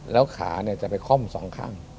แล้วขาเนี่ยจะจับไปค่มสองข้าง